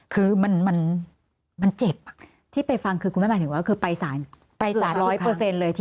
คือมันเจ็บที่ไปฟังคือคุณแม่หมายถึงว่าคือไปสารไปสารร้อยเปอร์เซ็นต์เลย